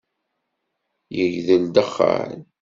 Yegdel dexxan!